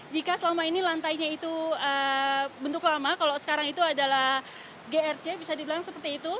jika selama ini lantainya itu bentuk lama kalau sekarang itu adalah grc bisa dibilang seperti itu